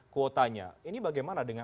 kuotanya ini bagaimana dengan